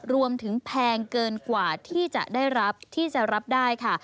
แพงเกินกว่าที่จะได้รับที่จะรับได้ค่ะ